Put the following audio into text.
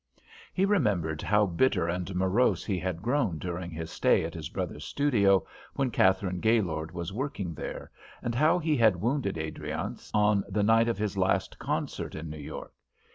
He remembered how bitter and morose he had grown during his stay at his brother's studio when Katharine Gaylord was working there, and how he had wounded Adriance on the night of his last concert in New York.